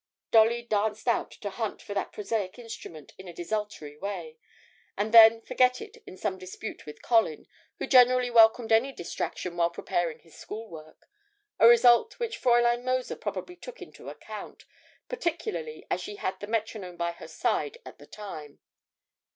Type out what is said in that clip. Dolly danced out to hunt for that prosaic instrument in a desultory way, and then forget it in some dispute with Colin, who generally welcomed any distraction whilst preparing his school work a result which Fräulein Mozer probably took into account, particularly as she had the metronome by her side at the time.